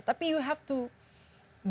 tapi kamu harus berani gagal